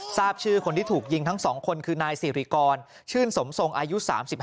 ทราบชื่อคนที่ถูกยิงทั้ง๒คนคือนายสิริกรชื่นสมทรงอายุ๓๕